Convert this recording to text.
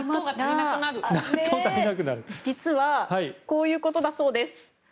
実はこういうことだそうです。